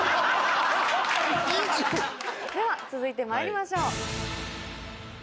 では続いてまいりましょう。